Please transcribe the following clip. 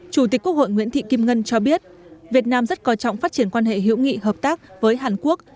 chủ tịch quốc hội nguyễn thị kim ngân cho biết việt nam rất coi trọng phát triển quan hệ hữu nghị hợp tác với hàn quốc